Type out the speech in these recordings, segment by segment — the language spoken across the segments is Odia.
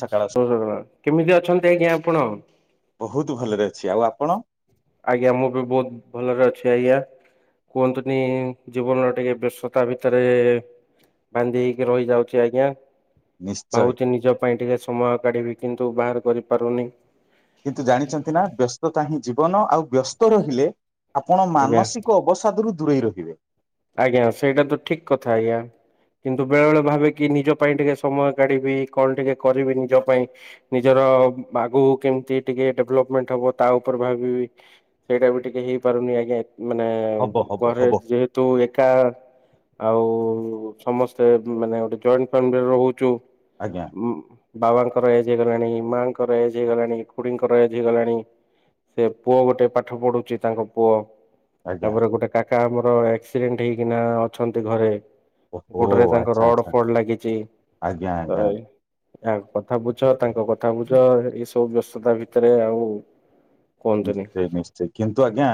ସକାଳ କେମିତି ଅଛନ୍ତି ଆଜ୍ଞା ଆପଣ? ବହୁତ ଭଲରେ ଅଛି। ଆଉ ଆପ ପଣ? ଆଜ୍ଞା ମୁଁ ବି ବହୁତ ଭଲରେ ଅଛି ଆଜ୍ଞା। କୁହନ୍ତୁନି ଜୀବନର ଟିକେ ବ୍ୟସ୍ତତା ଭିତରେ ବାନ୍ଧି ହେଇକି ରହିଯାଉଚି ଆଜ୍ଞା। ନିଶ୍ଚୟ ଭାବୁଚି ନିଜ ପାଇଁ ଟିକେ ସମୟ କାଢିବି। କିନ୍ତୁ ବାହାର କରିପାରୁନି। କିନ୍ତୁ ଜାଣିଛନ୍ତି ନା ବ୍ୟସ୍ତତା ହିଁ ଜୀବନ। ଆଉ ବ୍ୟସ୍ତ ରହିଲେ ଆପଣ ଆଜ୍ଞା। ମାନସିକ ଅବସାଦରୁ ଦୂରେଇ ରହିବେ। ଆଜ୍ଞା ସେଇଟା ତ ଠିକ୍ କଥା ଆଜ୍ଞା। କିନ୍ତୁ ବେଳେବେଳେ ଭାବେ କି ନିଜ ପାଇଁ ଟିକେ ସମୟ କାଢିବି। କଣ ଟିକେ କରିବି ନିଜ ପାଇଁ। ନିଜର ତ ଆଗକୁ କେମିତି ଟିକେ ଡେବ୍ଲପମେଣ୍ଟ ହବ ତା ଉପରେ ଭାବିବି। ସେଇଟା ବି ଟିକେ ହେଇପାରୁନି। ଆଜ୍ଞା ମାନେ ହବ ହବ ଘରେ ହବ ଯେହେ ତୁ ଏକା ଆଉ ସମସ୍ତେ ମାନେ ଗୋଟେ ଜଏଣ୍ଟ ଫ୍ୟାମିଲିରେ ରହୁଛୁ। ଆଜ୍ଞା ଉଁ ବାବାଙ୍କର ଏଜ୍ ହେଇଗଲାଣି। ମାଆଙ୍କର ଏଜ୍ ହେଇଗଲାଣି। ଖୁଡିଙ୍କର ଏଜ୍ ହେଇଗଲାଣି। ସେ ପୁଅ ଗୋଟେ ପାଠ ପଢୁଛି ତାଙ୍କ ପୁଅ ଆଜ୍ଞା ତାପରେ ଗୋଟେ କାକା ଆମର ଆକ୍ସିଡେଣ୍ଟ ହେଇକିନା ଅଛନ୍ତି ଘରେ। ଓହୋ ଗୋଡରେ ତାଙ୍କ ଆଚ୍ଛା ରଡ ଆଚ୍ଛା ଫଡ ଲାଗିଛି। ଆଜ୍ଞା ଆଜ୍ଞା ତାହେଲେ ୟା କଥା ବୁଝ। ତାଙ୍କ କଥା ବୁଝ। ଏଇ ସବୁ ବ୍ୟସ୍ତତା ଭିତରେ ଆଉ କୁହନ୍ତୁନି ନିଶ୍ଚୟ ନିଶ୍ଚୟ କିନ୍ତୁ ଆଜ୍ଞା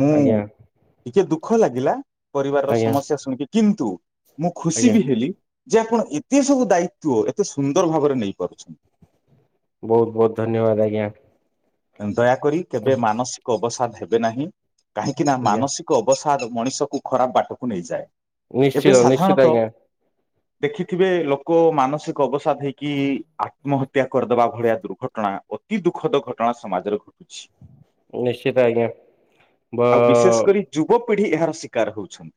ମୁଁ ଆଜ୍ଞା କିଛି ଦୁଃଖ ଲାଗିଲା। ପରିବାରର ଆଜ୍ଞା ସମସ୍ୟା ଶୁଣିକି କିନ୍ତୁ ମୁଁ ଖୁସି ଆଜ୍ଞା ବି ହେଲି। ଯେ ଆପଣ ଏତେ ସବୁ ଦାୟିତ୍ଵ ଏତେ ସୁନ୍ଦର ଭାବରେ ନେଇପାରୁଛନ୍ତି। ବହୁତ ବହୁତ ଧନ୍ୟବାଦ ଆଜ୍ଞା। ଏଣୁ ଦୟାକରି କେବେ ମାନସିକ ଅବସାଦ ହେବେ ନାହିଁ। କାହିଁକି ନା ଆଜ୍ଞା ମାନସିକ ଅବସା ଠାରୁ ମଣିଷକୁ ଖରାପ ବାଟକୁ ନେଇଯାଏ। ଏବେ ନିଶ୍ଚିତ ନିଶ୍ଚିତ ସାଧାରଣତଃ ଆଜ୍ଞା। ଦେଖିଥିବେ ଲୋକ ମାନସିକ ଅବସାଦ ହେଇକି ଆତ୍ମହତ୍ୟା କରିଦବା ଭଳିଆ ଦୁର୍ଘଟଣା। ଅତି ଦୁଃଖଦ ଘଟଣା ସମାଜରେ ଘଟୁଛି। ନିଶ୍ଚିତ ଆଜ୍ଞା। ପିଢି ଏହାର ଶିକାର ହଉଛନ୍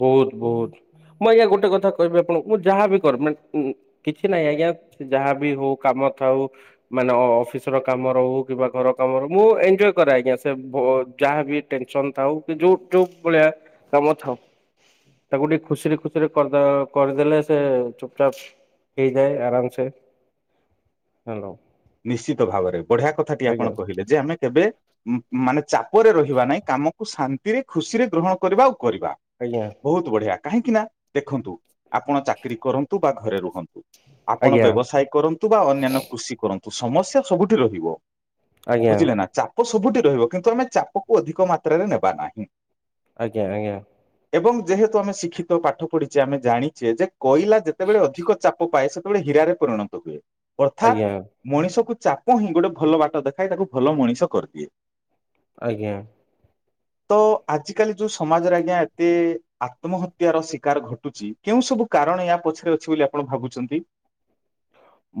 ବହୁତ ବହୁତ। ମୁଁ ଆଜ୍ଞା ଗୋଟେ କଥା କହିବି ଆପଣଙ୍କୁ ମୁଁ ଯାହାବି କର ଉଁ କିଛି ନାହିଁ ସେ ଯାହା ବିି ହଉ କାମ କଥା ହଉ ମାନେ ଅ ଅଫିସ ର କାମ ରହୁ କିବା ଘର କାମ ରହୁ ମୁଁ ଏନ୍ଞ୍ଜେୟ କରେ ଆଜ୍ଞା। ସେ ଭ ଯାହା ବି ଟେନସନ୍ ଥାଉ କି ଯୋଉ ଯୋଉ ଭଳିଆ କାମ ଥାଉ। ତାକୁ ଟିକେ ଖୁସିରେ ଖୁସିରେ କରିଦଆ କରିଦେଲେ ସେ ଚୁପଚାପ୍ ହେଇଯାଏ ଆରାମ ସେ ହେଲୋ। ନିଶ୍ଚିତ ଭାବରେ ବଢିଆ କଥାଟିଏ ଆପଣ କହିଲେ ଯେ ଆମେ କେବେ ଉ ମାନେ ଚାପରେ ରହିବା ନାହିଁ କାମକୁ ଶାନ୍ତିରେ ଖୁସିରେ ଗ୍ରହଣ କରିବା ଆଉ କରିବା ଆଜ୍ଞା ବହୁତ ବଢିଆ। କାହିଁକି ନା ଦେଖନ୍ତୁ ଆପଣ ଚାକିରୀ କରନ୍ତୁ ବା ଘରେ ରୁହନ୍ତୁ। ଆପଣ ଆଜ୍ଞା ବ୍ୟବସାୟ କରନ୍ତୁ ବା ଅନ୍ୟାନ୍ୟ କୃଷି କରନ୍ତୁ ସମସ୍ୟା ସବୁଠି ରହିବ। ଆଜ୍ଞା ବୁଝିଲେ ନା ଚାପ ସବୁଠି ରହିବ କିନ୍ତୁ ଆମେ ଚାପକୁ ଅଧିକ ମାତ୍ରାରେ ନେବା ନାହିଁ। ଆଜ୍ଞା ଆଜ୍ଞା। ଏବଂ ଯେହେତୁ ଆମେ ଶିକ୍ଷିତ ପାଠ ପଢିଛେ ଆମେ ଜାଣିଛେ ଯେ କୋଇଲା ଯେତେବେଳେ ଅଧିକ ଚାପ ପାଏ। ସେତେବେଳେ ହୀରାରେ ପରିଣତ ହୁଏ। ଆଜ୍ଞା ମଣିଷ କୁ ଚାପ ହିଁ ଗୋଟେ ଭଲ ବାଟ ଦେଖାଏ ତାକୁ ଭଲ ମଣିଷ କରିଦିଏ। ଆଜ୍ଞା। [inaudible] ତ ଆଜିକାଲି ଯୋଉ ସମାଜରେ ଆଜ୍ଞା ଏତେ ଆତ୍ମହତ୍ୟାର ଶିକାର ଘଟୁଛି କେଉଁ ସବୁ କାର କାରଣ ଏହା ପଛରେ ଅଛି ବୋଲି ଆପଣ ଭାବୁଛନ୍ତି?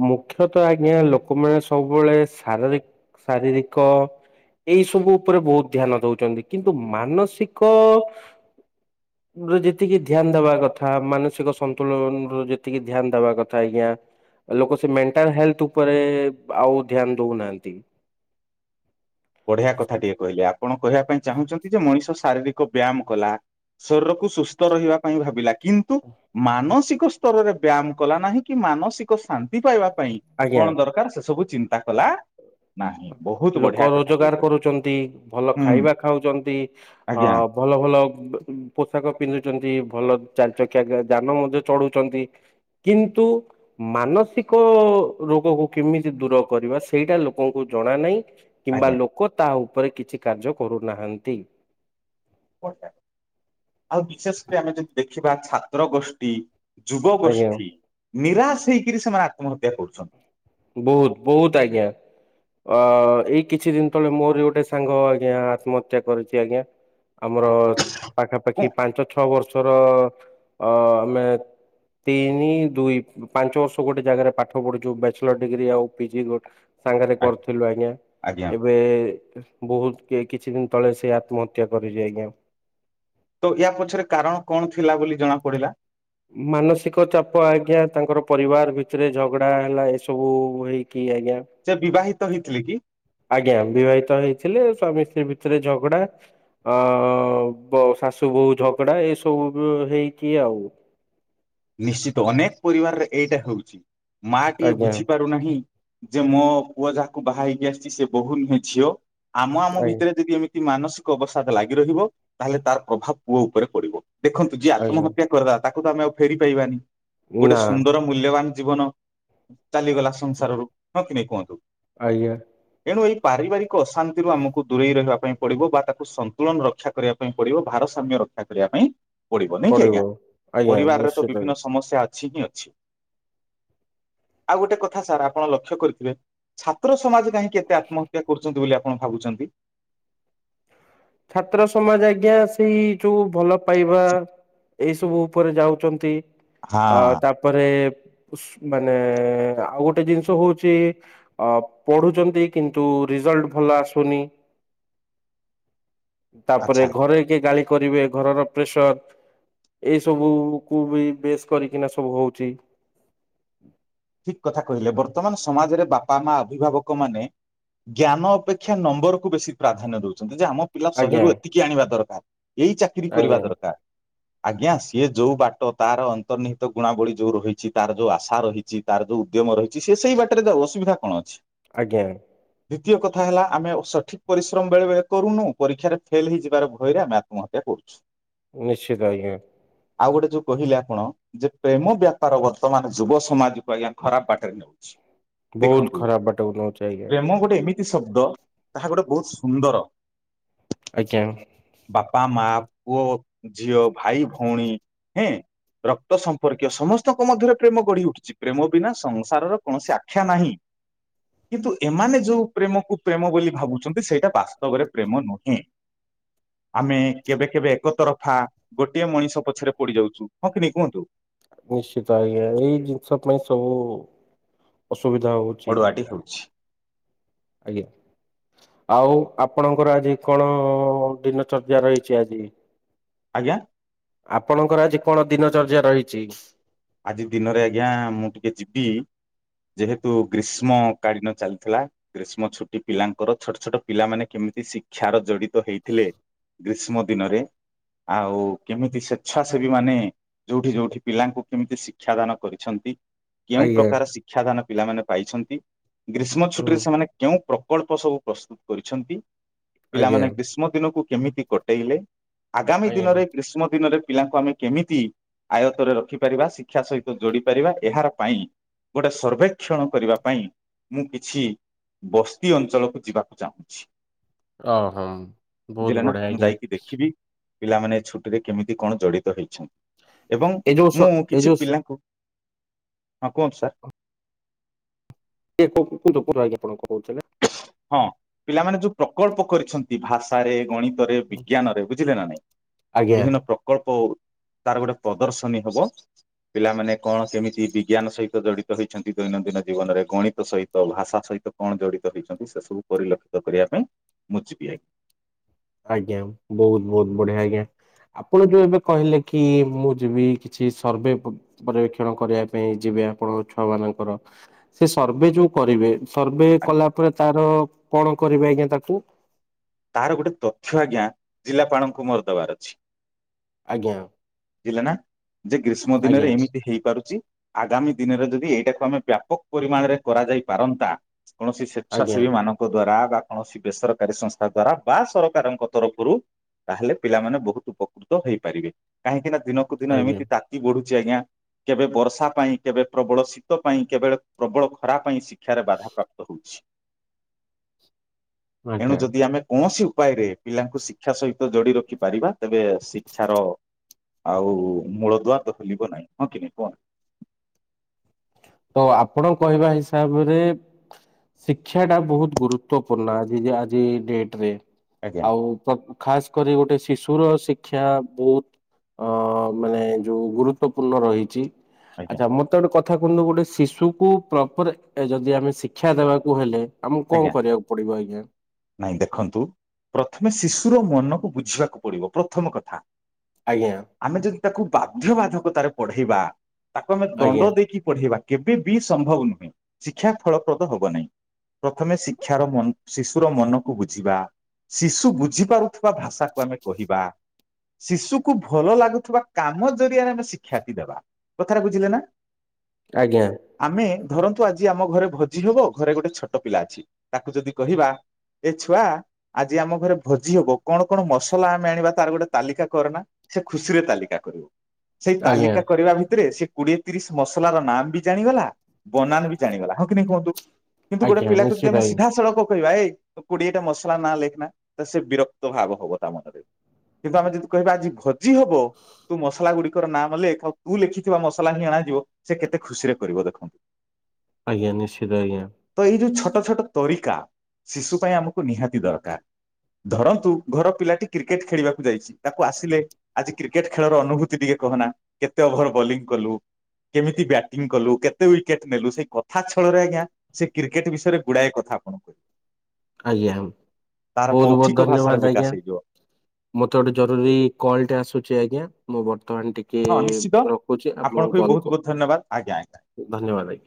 ମୁଖ୍ୟତଃ ଆଜ୍ଞା ଲୋକମାନେ ସବୁବେଳେ ଶାରୀର ଶାରୀରିକ ଏଇ ସବୁ ଉପରେ ବହୁ ଧ୍ୟାନ ଦଉଛନ୍ତି କିନ୍ତୁ ମାନସିକ ଯେତିକି ଧ୍ୟାନ ଦବା କଥା ମାନସିକ ସନ୍ତୁଳନ ର ଯେତିକି ଧ୍ୟାନ ଦବା କଥା ଆଜ୍ଞା। ଲୋକ ସବୁ ମେଣ୍ଟାଲଲ ଉପରେ ଆଉ ଧ୍ୟାନ ଦଉନାହାନ୍ତି। ବଢିଆ କଥା ଟିଏ କହିଲେ ଆପଣ କହିବା ପାଇଁ ଚାହୁଁଛନ୍ତି ଯେ ମଣିଷ ଶାରୀରିକ ବ୍ୟାୟାମ କଲା ଶରୀରକୁ ସୁସ୍ଥ ରହିବା ପାଇଁ ଭାବିଲା କିନ୍ତୁ ମାନସିକ ସ୍ତରରେ ବ୍ୟାୟାମ କଲା ନାହିଁ କି ମାନସିକ ଶାନ୍ତି ପାଇବା ପାଇଁ କଣ ଆଜ୍ଞା ଦରକାର ସେ ସବୁ ଚିନ୍ତା କଲା ନାହିଁ ବହୁତ ଲୋକ ବଢିଆ କଥା ଟି ରୋଜଗାର କରୁଛନ୍ତି ଭଲ ଖାଇବା ଖାଉଛନ୍ତି ଅ ଆଜ୍ଞା ଭଲ ଭଲ ୱ ବ ପୋଷାକ ପିନ୍ଧୁଛନ୍ତି। ଭଲ ଚାରି ଚକିଆ ଯାନ ମଧ୍ୟ ଚଢୁଛନ୍ତି କିନ୍ତୁ ମାନସିକ ରୋଗକୁ କେମିତି ଦୂର କରିବା ସେଇଟା ଲୋକଙ୍କୁ ଜଣା ନାହିଁ। କିମ୍ବା ଆଜ୍ଞା ଲୋକ ତା ଉପରେ କିଛି କାର୍ଯ୍ୟ କରୁନାହାନ୍ତି। ଆଉ ବିଶେଷ କରି ଆମେ ଯଦି ଦେଖିବା ଛାତ୍ର ଗୋଷ୍ଠୀ ଯୁବ ଆଜ୍ଞା। ଗୋଷ୍ଠୀ ନିରାଶ ହେଇକରି ସେମାନେ ଆତ୍ମହତ୍ୟା କରୁଛନ୍ତି। ବହୁତ ବହୁତ ଆଜ୍ଞା। ଅ ଏଇ କିଛି ଦିନ ତଳେ ମୋର ଗୋଟେ ସାଙ୍ଗ ଆଜ୍ଞା ଆତ୍ମହତ୍ୟା କରିଛି ଆଜ୍ଞା। ଆମର ପାଖାପାଖି କଣ ପାଞ୍ଚ ଛଅ ବର୍ଷର ଅ [unintelligible] ତିନି ଦୁଇ ପାଞ୍ଚ ବର୍ଷ ଗୋଟେ ଜାଗାରେ ପାଠ ପଢୁଛୁ ବ୍ୟାଚ୍ ଡିଗ୍ରୀ ଆଉ ପିଜି ସାଙ୍ଗରେ କରୁଥିଲୁ ଆଜ୍ଞା ଆଜ୍ଞା। ଏବେ ବହୁତ କିଛି ଦିନ ତଳେ ସେଇ ଆତ୍ମହତ୍ୟା କରିଛି ଆଜ୍ଞା। ତ ୟା ପଛରେ କାରଣ କଣ ଥିଲା ବୋଲି ଜଣା ପଡିଲା? ମାନସିକ ଚାପ ଆଜ୍ଞା ତାଙ୍କର ପରିବାର ଭିତରେ ଝଗଡା ହେଲା ଏସବୁ ହେଇକି ଇ ଆଜ୍ଞା। ସେ ବିବାହିତ ହେଇଥିଲେ କି? ଆଜ୍ଞା ବିବାହିତ ହେଇଥିଲେ ସ୍ଵାମୀ ସ୍ତ୍ରୀ ଭିତରେ ଝଗଡା ଅ ବ ଶାଶୁ ବୋଉୂ ଝଗଡା ଏ ସବୁ ହେଇକି ଆଉ ନିଶ୍ଚିତ ଅନେକ ପରିବାରରେ ଏଇଟା ହଉଛି ମା ଟିଏ ଆଜ୍ଞା ବୁଝିପାରୁନାହିଁ ଯେ ମୋ ପୁଅ ଯାହାକୁ ବାହା ହେଇକି ଆସିଛି ସେ ବୋହୁ ନୁହେଁ ଝିଅ ଆମ ଆମ ଆଜ୍ଞା ଭିତରେ ଯଦି ଏମିତି ମାନସିକ ଅବସାଦ ଲାଗି ରହିବ ତାହେଲେ ତାର ପ୍ରଭାବ ପୁଅ ଉପରେ ପଡିବ। ଦେଖନ୍ତୁ ଯିଏ ଆଜ୍ଞା ଆତ୍ମହତ୍ୟା କରିଦେଲା ତାକୁ ତ ଆମେ ଆଉ ଫେରି ପାଇବାନି ଗୋଟେ ନା ସୁନ୍ଦର ମୂଲ୍ୟବାନ ଜୀବନ ଚାଲିଗଲା ସଂସାରରୁ ହଁ କି ନାଇ କୁହନ୍ତୁ? ଆଜ୍ଞା। ଏଣୁ ଏହି ପାରିବାରିକ ଅଶାନ୍ତିରୁ ଆମକୁ ଦୂରେଇ ରହିବା ପାଇଁ ପଡ଼ିବ ବା ତାକୁ ସନ୍ତୁଳନ ରକ୍ଷା କରିବା ପାଇଁ ପଡ଼ିବ ଭାରତ ସମ୍ୟ ରକ୍ଷା କରିବା ପାଇଁ ପଡିବ ନାଇକି ଆଜ୍ଞା ଆଜ୍ଞା ପରିବାରରେ ତ ନିଶ୍ଚିତ ବିଭିନ୍ନ ସମସ୍ୟା ଅ ଠିକି ଅଛି। ଆଉ ଗୋଟେ କଥା ସାର୍ ଆପଣ ଲକ୍ଷ୍ୟ କରିଥିବେ ଛାତ୍ର ସମାଜ କାହିଁକି ଏତେ ଆତ୍ମହତ୍ୟା କରୁଚନ୍ତି ବୋଲି ଆପଣ ଭାବୁଚନ୍ତି? ଛାତ୍ର ସମାଜ ଆଜ୍ଞା ସେଇ ଯୋଉ ଭଲ ପାଇବା ଏଇସବୁ ଉପରେ ଯାଉଚନ୍ତି ଆ ହଁ ତାପରେ ଉସ୍ ମାନେ ଆଉ ଗୋଟେ ଜିନିଷ ହଉଚି ଅ ପଢୁଛନ୍ତି କିନ୍ତୁ ରିଜଲ୍ଟ୍ ଭଲ ଆସୁନି। ତାପରେ ଆଚ୍ଛା ଘରେ କିଏ ଗାଳି କରିବେ ଘରର ପ୍ରେସର୍। ଏଇ ସବୁକୁ ବି ବେଶ୍ କରିକିନା ସବୁ ହଉଚି। ଠିକ୍ କଥା କହିଲେ ବର୍ତ୍ତମାନ ସମାଜରେ ବାପା ମା ଅଭିଭାବକମାନେ ଜ୍ଞାନ ଅପେକ୍ଷା ନମ୍ବର୍ କୁ ବେଶୀ ପ୍ରାଧାନ୍ୟ ଦଉଚନ୍। ଯେ ଆମ ପିଲା ଆଜ୍ଞା ଶହେରୁ ଏତିକି ଆଣିବା ଦରକାର ଏଇ ଚାକିରି କରିବା ଆଜ୍ଞା ଦରକାର। ଆଜ୍ଞା ସିଏ ଯୋଉ ବାଟ ତାର ଅନ୍ତର୍ନିହିତ ଗୁଣାବଳି ଯୋଉ ରହିଚି ତାର ଯୋଉ ଆଶା ରହିଚି ତାର ଯୋଉ ଉଦ୍ୟମ ରହିଚି ସିଏ ସେଇ ବାଟରେ ବବ ଅସୁବିଧା କଣ ଅଛି? ଆଜ୍ଞା଼ ଦ୍ୱିତୀୟ କଥା ହେଲା ଆମେ ସଠିକ୍ ପରିଶ୍ରମ ବେଳେବେଳେ କରୁନୁ ପରୀକ୍ଷାରେ ଫେଲ୍ ହେଇଯିବାର ଭୟରେ ଆମେ ଆତ୍ମହତ୍ୟା କରୁଛୁ। ନିଶ୍ଚିତ ଆଜ୍ଞା। ଆଉ ଗୋଟେ ଯୋଉ କହିଲେ ଆପଣ ଯେ ପ୍ରେମ ବ୍ୟାପାର ବର୍ତ୍ତମାନ ଯୁବ ସମାଜ କୁ ଆଜ୍ଞା ଖରାପ ବାଟରେ ନଉଛି। ବହୁତ ଦେଖନ୍ତୁ ଖରାପ ବାଟକୁ ନଉଛି ଆଜ୍ଞା ପ୍ରେମ ଗୋଟେ ଏମି ତି ଶବ୍ଦ ତାହା ଗୋଟେ ବୋହୁତ ସୁନ୍ଦର ଆଜ୍ଞା ବାପା ମା ପୁଅ ଝିଅ ଭାଇ ଭଉଣୀ ହେଁ ରକ୍ତ ସମ୍ପର୍କୀୟ ସମସ୍ତଙ୍କ ମଧ୍ୟରେ ପ୍ରେମ ଗଢ଼ି ଉଠିଚି। ପ୍ରେମ ବିନା ସଂସାରର କୌଣସି ଆଖ୍ୟା ନାହିଁ। କିନ୍ତୁ ଏମାନେ ଯୋଉ ପ୍ରେମକୁ ପ୍ରେମ ବୋଲି ଭାବୁଚନ୍ତି ସେଇଟା ବାସ୍ତବରେ ପ୍ରେମ ନୁହେଁ। ଆମେ କେବେ କେବେ ଏକ ତରଫା ଗୋଟିଏ ମଣିଷ ପଛରେ ପଡ଼ି ଯାଉଚୁ ହଁ କି ନାଇଁ କୁହନ୍ତୁ। ନିଶ୍ଚିତ ଆଜ୍ଞା ଏଇ ଜିନିଷ ପାଇଁ ସବୁ ଅସ୍ ଅଡ଼ୁଆଟି ହେଉଛି। ଆଜ୍ଞା। ଆଉ ଆପଣଙ୍କର ଆଜି କଣ ଦିନ ଚର୍ଯ୍ୟା ରହିଚି ଆଜି? ଆଜ୍ଞା? ଆପଣଙ୍କର ଆଜି କଣ ଦିନ ଚର୍ଯ୍ୟା ରହିଚି? ଆଜି ଦିନରେ ଆଜ୍ଞା ମୁଁ ଟିକେ ଯିବି ଯେହେତୁ ଗ୍ରୀଷ୍ମ କାଳୀନ ଚାଲିଥିଲା ଗ୍ରୀଷ୍ମ ଛୁଟି ପିଲାଙ୍କର ଛୋଟ ଛୋଟ ପିଲାମାନେ କେ ଇତି ଶିକ୍ଷାର ଜଡ଼ିତ ହେଇଥିଲେ ଗ୍ରୀଷ୍ମ ଦିନରେ ଆଉ କେମିତି ସ୍ଵେଚ୍ଛାସେବୀ ମାନେ ଯୋଉଠି ଯୋଉଠି ପିଲାଙ୍କୁ କେମିତି ଶିକ୍ଷାଦାନ କରିଛନ୍ତି କେଉଁ ଆଜ୍ଞା ପ୍ରକାର ଶିକ୍ଷା ଦାନ ପିଲାମାନେ ପାଇଛନ୍ତି ଗ୍ରୀଷ୍ମ ଛୁଟିରେ ହୁଁ ସେମାନେ କେଉଁ ପ୍ରକଳ୍ପ ସବୁ ପ୍ରସ୍ତୁତ କରିଛନ୍ତି ଆଜ୍ଞା ପିଲାମାନେ ଗ୍ରୀଷ୍ମ ଦିନକୁ କେମିତି କଟେଇଲେ ଆଗାମୀ ଆଜ୍ଞା ଦିନରେ ଗ୍ରୀଷ୍ମ ଦିନରେ ପିଲାଙ୍କୁ ଆମେ କେମିତି ଆୟତରେ ରଖିପାରିବା ଶିକ୍ଷା ସହିତ ଯୋଡ଼ି ପାରିବା ଏହାର ପାଇଁ ଗୋଟେ ସର୍ବେକ୍ଷଣ କରିବା ପାଇଁ ମୁଁ କିଛି ବସ୍ତି ଅଞ୍ଚଳକୁ ଯିବାକୁ ଚାହୁଁଛି। ଓହୋ ବହୁତ ଦିଲା ନାଁ ବଢିଆ ମୁଁ ଆଜ୍ଞା ଯାଇକି ଦେଖିବି। ପିଲାମାନେ ଏ ଛୁଟିରେ କେମିତି କଣ ଜଡ଼ିତ ହେଇଛନ୍ ଏବଂ ଏ ଯୋଉ ସ ମୁଁ ଏ କିଛି ଯୋଉ ପିଲାଙ୍କୁ ହଁ କୁହନ୍ତୁ ସାର୍। ଏ କୁ କୁହନ୍ତୁ କୁହନ୍ତୁ ଆପଣ କ କୋଉଥୁଲେ। ହଁ ପିଲାମାନେ ଯୋଉ ପ୍ରକଳ୍ପ କରିଛନ୍ତି ଭାଷାରେ ଗଣି ଦରେ ବିଜ୍ଞାନରେ ବୁଝିଲେ ନା ନାଇଁ? ଆଜ୍ଞା ବିଭିନ୍ନ ପ୍ରକଳ୍ପ ତାର ଗୋଟେ ପଦର୍ଶନୀ ହବ। ପିଲାମାନେ କଣ କେମିତି ବିଜ୍ଞାନ ସହିତ ଜଡିତ ହେଇଚନ୍ତି ଦୈନନ୍ଦିନ ଜୀବନରେ। ଗଣିତ ସହିତ ଭାଷା ସହି କଣ ଜଡିତ ହେଇଚନ୍ତି ସେ ସବୁ ପରିଲକ୍ଷିତ କରିବା ପାଇଁ ମୁଁ ଯିବି। ଆଜ୍ଞା ବହୁତ ବହୁତ ବଢିଆ ଆଜ୍ଞା। ଆପଣ ଯୋଉ ଏବେ କହିଲେ କି ମୁଁ ଯିବି କିଛି ସର୍ଭେ ପ-ପରବେକ୍ଷଣ କରିବା ପାଇଁ ଯିବ ବେ ଆପଣଙ୍କ ଛୁଆ ମାନଙ୍କର ସେ ସର୍ଭେ ଯୋଉ କରିବେ ସର୍ଭେ ଆଜ୍ଞା କଲା ପରେ ତାର କଣ କରିବେ ଆଜ୍ଞା ତାକୁ? ତାର ଗୋଟେ ତଥ୍ୟ ଆଜ୍ଞା ଜିଲ୍ଲାପାଳଙ୍କୁ ମୋର ଦବାର ଅଛି। ଆଜ୍ଞା। ବୁଝିଲେ ନା ଯେ ଗ୍ରୀଷ୍ମ ଦିନରେ ଆଜ୍ଞା ଏମିତି ହେଇପାରୁଚି। ଆଗାମୀ ଦିନରେ ଯଦି ୟାକୁ ଆମେ ବ୍ୟାପକ ପରିମାଣରେ କରାଯାଇ ପାରନ୍ତା କୌଣସି ଆଜ୍ଞା ସ୍ଵେଚ୍ଛାସେବୀ ମାନଙ୍କ ଦ୍ଵାରା ବା କୌଣସି ବେସରକାରୀ ସଂସ୍ଥା ଦ୍ଵାରା ବା ସରକାରଙ୍କ ତରଫରୁ ତାହେଲେ ପିଲାମାନେ ବହୁତ ଉପକୃତ ହେଇପାରିବେ। କାହିଁକି ନା ଦିନକୁ ଦିନ ଆଜ୍ଞା ଆଜ୍ଞା ଏମିତି ତାତି ବଢୁ ଚି ଆଜ୍ଞା କେବେ ବର୍ଷା ପାଇଁ କେବେ ପ୍ରବଳ ଶୀତ ପାଇଁ କେବେ ପ୍ରବଳ ଖରା ପାଇଁ ଶି ଶିକ୍ଷାରେ ବାଧାପ୍ରାପ୍ତ ହଉଛି। ଆଜ୍ଞା। ଏ କୌଣସି ଉପାୟରେ ପିଲାଙ୍କୁ ଶିକ୍ଷା ସହିତ ଯୋଡି ରଖି ପାରିବା ତେବେ ଶିକ୍ଷାର ଆଉ ମୂଳ ଦୁଆତ ହଲିବ ନାଇଁ। ହଁ କି ନାଇଁ କୁହ? ତ ଆପଣ କହିବା ହିସାବରେ ଶିକ୍ଷା ଟା ବହୁତ ଗୁରୁତ୍ଵ ପୂର୍ଣ୍ଣ ଆଜି ଜି ଆଜି ଡେଟରେ। ଆଜ୍ଞା ଆଉ ତ ଖାସ କରି ଗୋଟେ ଶିଶୁର ଶିକ୍ କ୍ଷା ବହୁତ ଅ ମାନେ ଯୋଉ ଗୁରୁତ୍ୱପୂର୍ଣ୍ଣ ରହିଚି। ଆଜ୍ଞା ଆଚ୍ଛା ମୋତେ ଗୋଟେ କତ୍ ଥା କୁହନ୍ତୁ ଗୋଟେ ଶିଶୁକୁ ପ୍ରପର ଏ ଯଦି ଆମେ ଶିକ୍ଷା ଦେବାକୁ ହେଲେ ଆମକୁ କଣ ଆଜ୍ଞା କରିବାକୁ ପଡିବ ଆଜ୍ଞା ନାଇଁ ଦେଖନ୍ତୁ ପ୍ରଥମେ ଶିଶୁ ର ମନକୁ ବୁଝିବାକୁ ପଡିବ ପ୍ରଥମ କଥା। ଆଜ୍ଞା ଆମେ ଯଦି ତାକୁ ବାଧ୍ୟବାଧକତାରେ ପଢେଇବା। ତାକୁ ଆମେ ଆଜ୍ଞା ଦଣ୍ଡ ଦେଇକି ପଢେଇବା। କେବେ ବି ସମ୍ଭବ ନୁହେଁ ଶିକ୍ଷା ଫଳପ୍ରଦ ହବ ନାହିଁ। ପ୍ରଥମେ ଶିକ୍ଷାର ମନ ଶିଶୁର ମନକୁ ବୁଝିବା। ଶିଶୁ ବୁଝି ପାରୁଥିବା ଭାଷାକୁ ଆମେ କହିବା। ଶିଶୁକୁ ଭଲ ଲାଗୁଥିବା କାମ ଜରିଆରେ ଆମେ ଶିକ୍ଷାର୍ଥୀ ଦେବା। କଥାଟା ବୁଝିଲେ ନା? ଆଜ୍ଞା। ଆମେ ଧରନ୍ତୁ ଆଜି ଆମ ଘରେ ଭୋଜି ହବ ଘରେ ଗୋଟେ ଛୋଟ ପିଲା ଅଛି। ତାକୁ ଯଦି କହିବା ଏ ଛୁଆ ଆଜି ଆମ ଘରେ ଭୋଜି ହବ। କଣ କଣ ମସଲା ଆମେ ଆଣିବା ତାର ଗୋଟେ ତାଲିକା କରନା। ସେ ଖୁସି ରେ ତାଲିକା କରିବ। ସେଇ ଆଜ୍ଞା ତାଲିକା କରିବା ଭିତରେ ସେ କୋଡିଏ ତିରିଶ ମସଲାର ନାମ ବି ଜାଣିଗଲା ବନାନ ବି ଜାଣିଗଲା। ହଁ କି ନାଇଁ କୁହନ୍ତୁ? କିନ୍ତ ଗୋଟେ ଆଜ୍ଞା ପିଲାକୁ ଯଦି ନିଶ୍ଚିତ ଆମେ ଆଜ୍ଞା ସିଧାସଳକ କହିବା ଏଇ କୋଡିଏଟା ମସଲା ନାଁ ଲେଖ ନା ତ ସେ ବିରକ୍ତ ଭାବ ହବ ତା ମନରେ। କିନ୍ତୁ ଆମେ ଯଦି କହିବା ଆଜି ଭୋଜି ହବ। ତୁ ମସଲା ଗୁଡିକର ନାମ ଲେଖ୍। ଆଉ ତୁ ଲେଖିଥିବା ମସଲା ହିଁ ଅଣାଯିବ। ସେ କେତେ ଖୁସି ରେ କରିବ ଦେଖନ୍ତୁ? [inaudible] ଆଜ୍ଞା ନିଶ୍ଚିତ ଆଜ୍ଞା। ତ ଏଇ ଯୋଉ ଛୋଟ ଛୋଟ ତରିକା ଶିଶୁ ପାଇଁ ଆମକୁ ନିହାତି ଦରକାର। ଧରନ୍ତୁ ଘର ପିଲାଟି କ୍ରିକେଟ ଖେଳିବାକୁ ଯାଇଚି। ତାକୁ ଆସିଲେ ଆଜି କ୍ରିକେଟ ଖେଳର ଅନୁଭୂତି ଟିକେ କହନା କେତେ ଓଭର ବୋଲିଂ କଲୁ? କେମିତି ବ୍ୟାଟିଂ କଲୁ କେତେ ୱିକେଟ୍ ନେଲୁ। ସେଇ କଥା ଛଳରେ ଆଜ୍ଞା ସେ କ୍ରିକେଟ୍ ବିଷୟରେ ଗୁଡାଏ କଥା ଆପଣ କହିବ। ଆଜ୍ଞା ବହୁତ ବହୁତ ମୌଖିକ ଭାଷାର ଧନ୍ୟବାଦ ବିକାଶ ଆଜ୍ଞା। ହେଇଯିବ ମତେ ଗୋଟେ ଜରୁରୀ କଲ ଟେ ଆସୁଚି ଆଜ୍ଞା। ମୁଁ ବର୍ତ୍ତମାନ ଟିକେ ହଁ ନିଶ୍ଚିତ ରଖୁଛି ଆପଣଙ୍କୁ ବି କଲ୍ ବହୁତ କ ବହୁତ ଧନ୍ୟବାଦ ଆଜ୍ଞା ଆଜ୍ଞା। ଧନ୍ୟବାଦ ଆଜ୍ଞା।